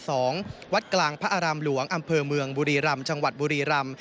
วัดกลางพระอารามหลวงอำเภอเมืองบุรีรำจังหวัดบุรีรำ